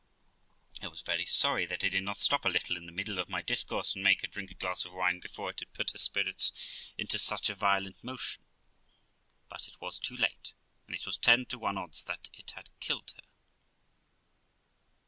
I was very sorry that I did not stop a little in the middle of my dis course, and make her drink a glass of wine before it had put her spirits into such a violent motion; but it was too late, and it was ten to one odds but that it had killed her.